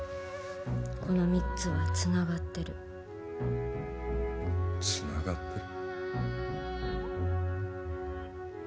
この三つはつながってるつながってる？